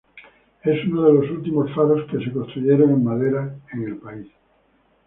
Es uno de los últimos faros que se construyeron en madera en el país.